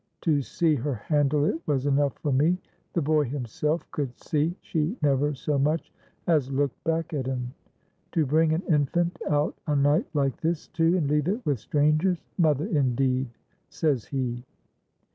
To see her handle it was enough for me. The boy himself could see she never so much as looked back at un. To bring an infant out a night like this, too, and leave it with strangers. Mother, indeed, says he!"